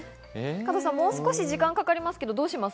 加藤さん、もう少し時間がかかるんですけど、どうします？